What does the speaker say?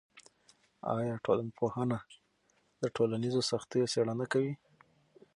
آیا ټولنپوهنه د ټولنیزو سختیو څیړنه کوي؟